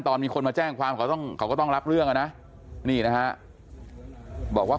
ตอนมีคนมาแจ้งความเขาก็ต้องรับเรื่องนะนี่นะฮะบอกว่า